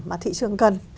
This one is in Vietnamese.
mà thị trường cần